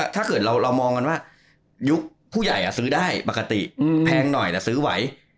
ถ้าเกิดเรามองกันว่ายุคผู้ใหญ่ซื้อได้ปกติแพงหน่อยแต่ซื้อไหว